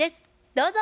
どうぞ。